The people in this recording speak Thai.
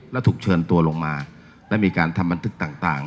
แล้วถูกเชิญตัวลงมาและมีการทำบันทึกต่าง